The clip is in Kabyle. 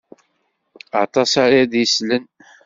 Aṭas ara d-islen.